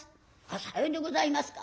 「さようでございますか。